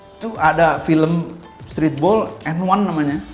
itu ada film streetball n satu namanya